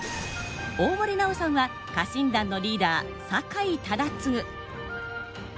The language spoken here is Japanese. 大森南朋さんは家臣団のリーダー酒井忠次。